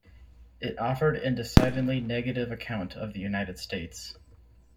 It offered an decidedly negative account of the United States.